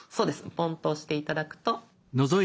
ポンと押して頂くと。